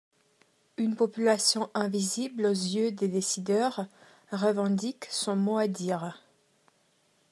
Une population invisible aux yeux des décideurs revendique son mot à dire.